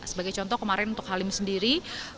sebagai contoh kemarin untuk halim sendiri